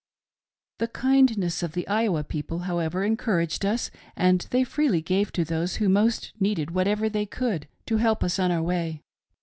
The kindness of the Iowa people, however, encouraged us, and they freely gave to those who most needed whatever they could to help us on our way.